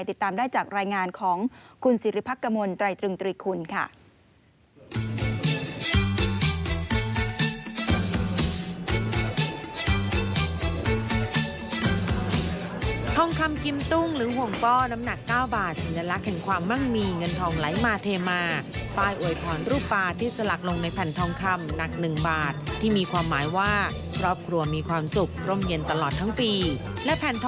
ติดตามได้จากรายงานของคุณสิริพักกมลไตรตรึงตริคุณค่ะ